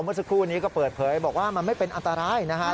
เมื่อสักครู่นี้ก็เปิดเผยบอกว่ามันไม่เป็นอันตรายนะฮะ